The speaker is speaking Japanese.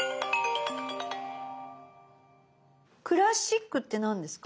「クラシック」って何ですか？